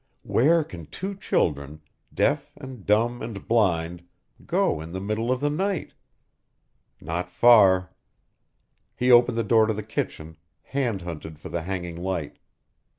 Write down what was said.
Where can two children, deaf and dumb and blind go in the middle of the night? Not far. He opened the door to the kitchen, hand hunted for the hanging light.